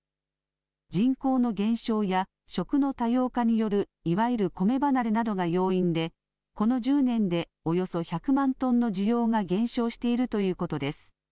人口の減少や、食の多様化によるいわゆるコメ離れなどが要因で、この１０年でおよそ１００万トンの需要が減少しているということです。